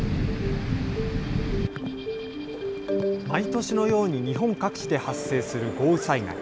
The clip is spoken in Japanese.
毎年のように日本各地で発生する豪雨災害。